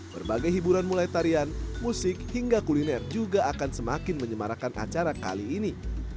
berbagai hiburan mulai tarian musik hingga kuliner juga akan semakin menyemarakan acara kali ini